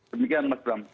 demikian mas bram